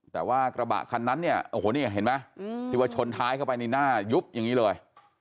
แต่ว่ากระบะคันนั้นเนี่ยโอ้โหนี่เห็นไหมที่ว่าชนท้ายเข้าไปนี่หน้ายุบอย่างนี้เลย